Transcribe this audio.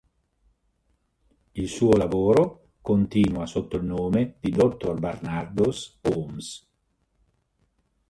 Il suo lavoro continua sotto il nome di "Dr Barnardo's Homes".